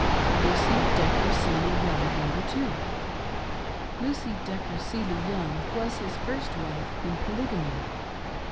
LUCY DECKER SEELY YOUNG. [Number Two.] Lucy Decker Seely Young was his first wife in Polygamy.